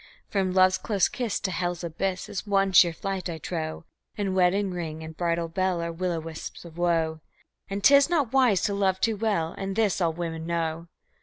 From love's close kiss to hell's abyss is one sheer flight, I trow, And wedding ring and bridal bell are will o' wisps of woe, And 'tis not wise to love too well, and this all women know.